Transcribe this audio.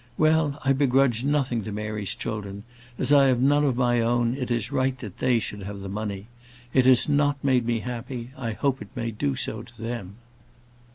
Well, I begrudge nothing to Mary's children. As I have none of my own, it is right they should have the money. It has not made me happy; I hope it may do so to them."